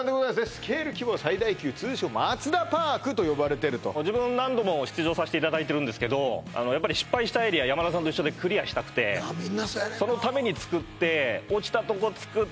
「スケール規模は最大級」「通称松田パーク」と呼ばれてると自分何度も出場させていただいてるんですけどやっぱり失敗したエリア山田さんと一緒でクリアしたくてみんなそうやねんなそのために作ってってやって落ちすぎやお前そうなんですうわっ